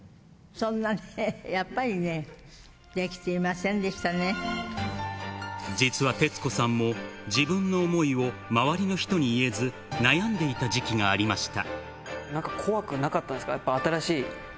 そんなね、やっぱりね、実は徹子さんも、自分の想いを周りの人に言えず、悩んでいた時期がありました。